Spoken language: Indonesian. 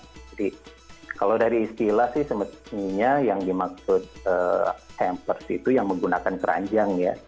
jadi kalau dari istilah sih sebetulnya yang dimaksud hampers itu yang menggunakan keranjang ya